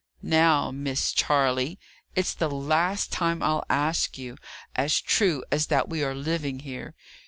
"Now, Miss Charley, it's the last time I'll ask you, as true as that we are living here!